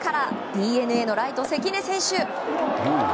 ＤｅＮＡのライト、関根選手。